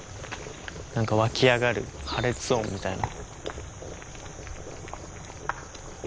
何か湧き上がる破裂音みたいな。